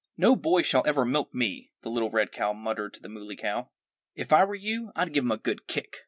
"No boy shall ever milk me!" the little red cow muttered to the Muley Cow. "If I were you I'd give him a good kick."